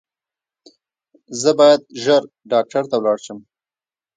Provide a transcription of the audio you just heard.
زه باید ژر ډاکټر ته ولاړ شم